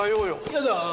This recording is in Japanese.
やだ。